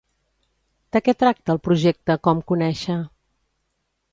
De què tracta el Projecte COMconèixer?